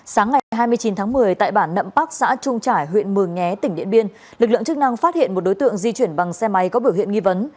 sáng ngày hai mươi chín tháng một mươi tại bản nậm park xã trung trải huyện mường nhé tỉnh điện biên lực lượng chức năng phát hiện một đối tượng di chuyển bằng xe máy có biểu hiện nghi vấn